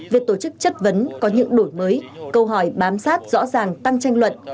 việc tổ chức chất vấn có những đổi mới câu hỏi bám sát rõ ràng tăng tranh luận